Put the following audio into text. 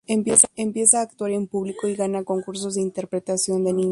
Empieza a actuar en público y gana concursos de interpretación de niña.